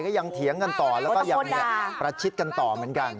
ยังเถียงกันต่อแล้วก็ยังประชิดกันต่อเหมือนกัน